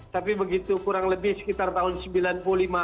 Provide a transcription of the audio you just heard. tapi begitu kurang lebih sekitar tahun seribu sembilan ratus sembilan puluh lima